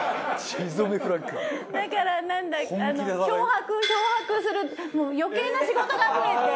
だからなんだあの漂白漂白するもう余計な仕事が増えて。